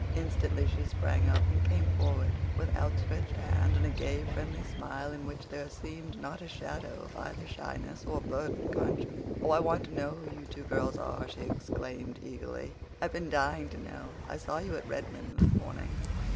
Instantly she sprang up and came forward with outstretched hand and a gay, friendly smile in which there seemed not a shadow of either shyness or burdened conscience. "Oh, I want to know who you two girls are," she exclaimed eagerly. "I've been dying to know. I saw you at Redmond this morning.